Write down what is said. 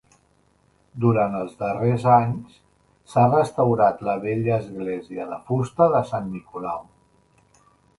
Durant els darrers anys, s'ha restaurat la vella església de fusta de Sant Nicolau.